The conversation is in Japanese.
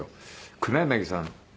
黒柳さん